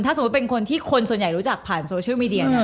สมมุติเป็นคนที่คนส่วนใหญ่รู้จักผ่านโซเชียลมีเดีย